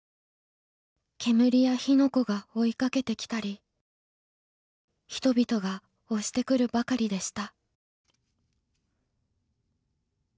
煙や火の粉が追いかけてきたり人々が押してくるばかりでした。